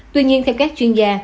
tuy nhiên theo các chuyên gia